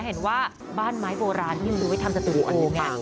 เห็นว่าบ้านไม้โบราณที่ยูดูไว้ทำจะถูกอันนี้